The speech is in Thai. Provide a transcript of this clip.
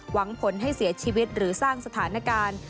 หวังผลให้เสียชีวิตหรือสร้างสถานการณ์